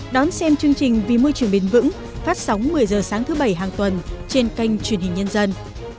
đón xem chương trình vì môi trường bền vững phát sóng một mươi h sáng thứ bảy hàng tuần trên kênh truyền hình nhân dân